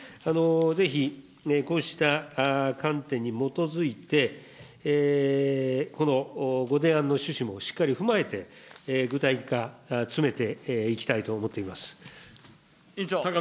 ぜひこうした観点に基づいて、このご提案の趣旨もしっかり踏まえて、具体化、詰めていきたいと思っています。